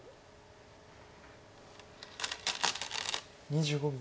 ２５秒。